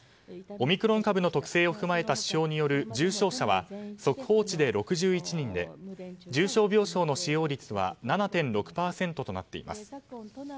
オミクロン株の特性を踏まえた指標による重症者は速報値で６１人で重症病床の使用率は７．６％となっています。